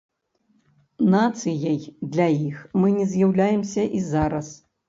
Нацыяй для іх мы не з'яўляемся і зараз.